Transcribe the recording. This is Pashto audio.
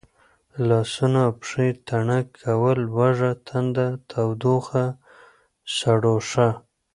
لاسونه او پښې تڼاکې کول، لوږه تنده، تودوخه، سړوښه،